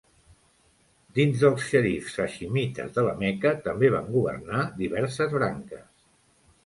Dins dels xerifs haiximites de la Meca també van governar diverses branques.